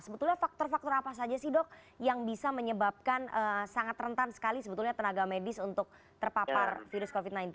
sebetulnya faktor faktor apa saja sih dok yang bisa menyebabkan sangat rentan sekali sebetulnya tenaga medis untuk terpapar virus covid sembilan belas